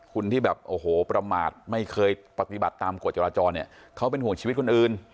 คุณที่แบบโอ้โหประมาทไม่เคยปฏิบัติตามกฎจราจรเนี่ยเขาเป็นห่วงชีวิตคนอื่น